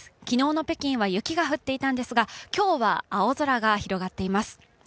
昨日の北京は雪が降っていたんですが今日は青空が広がっています。